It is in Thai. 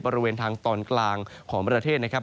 บริเวณทางตอนกลางของประเทศนะครับ